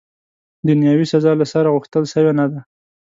دنیاوي سزا، له سره، غوښتل سوې نه ده.